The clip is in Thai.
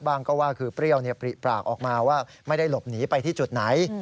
ก็ว่าคือเปรี้ยวปริปากออกมาว่าไม่ได้หลบหนีไปที่จุดไหน